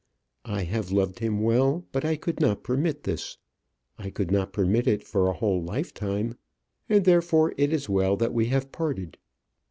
I have loved him well, but I could not permit this. I could not permit it for a whole lifetime; and therefore it is well that we have parted.